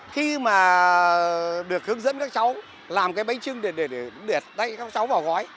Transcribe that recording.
khi mà được hướng dẫn các cháu làm cái bánh trưng để đẩy các cháu vào gói